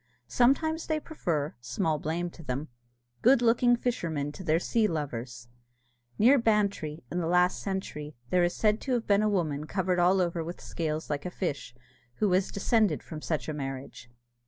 Sometimes they prefer, small blame to them, good looking fishermen to their sea lovers. Near Bantry, in the last century, there is said to have been a woman covered all over with scales like a fish, who was descended from such a marriage.